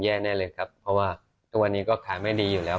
แน่เลยครับเพราะว่าทุกวันนี้ก็ขายไม่ดีอยู่แล้ว